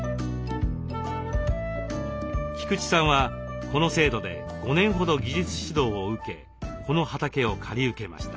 菊池さんはこの制度で５年ほど技術指導を受けこの畑を借り受けました。